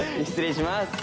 失礼します。